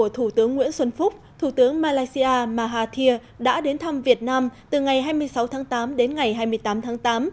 thủ tướng malaysia mahathir đã đến thăm việt nam từ ngày hai mươi sáu tháng tám đến ngày hai mươi tám tháng tám